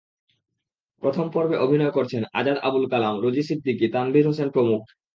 প্রথম পর্বে অভিনয় করছেন আজাদ আবুল কালাম, রোজী সিদ্দিকী, তানভীর হোসেন প্রমুখ।